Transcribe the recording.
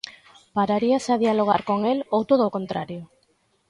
Pararíase a dialogar con el, ou todo o contrario?